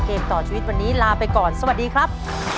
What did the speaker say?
เกมต่อชีวิตวันนี้ลาไปก่อนสวัสดีครับ